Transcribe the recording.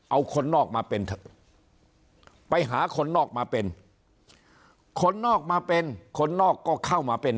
เอาคนนอกมาเป็นเถอะไปหาคนนอกมาเป็นคนนอกมาเป็นคนนอกก็เข้ามาเป็น